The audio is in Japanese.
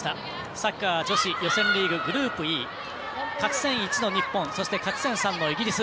サッカー女子予選リーググループＥ勝ち点４の日本そして勝ち点３のイギリス。